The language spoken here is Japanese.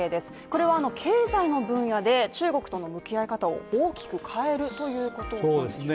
これは経済の分野で中国との向き合い方を大きく変えるということになるんでしょうか。